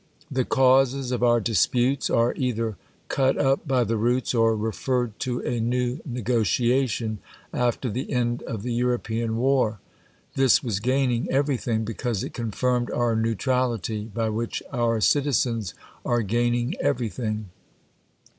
The causes of our disputes are either cut up by the roots, or referred to a new negociation, after the end of the European war. This was gaining every thing, because it confirmed our neu trality, by which our citizens are gaining every thing.